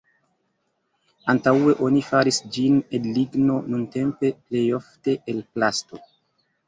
Antaŭe oni faris ĝin el ligno nuntempe plejofte el plasto.